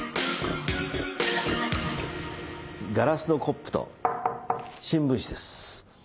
ガラスのコップと新聞紙です。